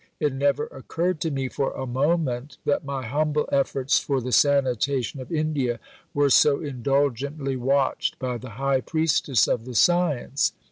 It never occurred to me for a moment that my humble efforts for the sanitation of India were so indulgently watched by the High Priestess of the Science."